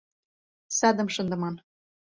САДЫМ ШЫНДЫМАН